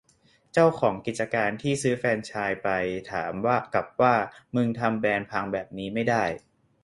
เจ้าของกิจการที่ซื้อแฟรนไซส์ไปถามกลับว่ามึงทำแบรนด์พังแบบนี้ไม่ได้